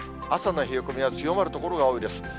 朝の冷え込みは強まる所が多いです。